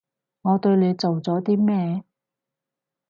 我對你做咗啲咩？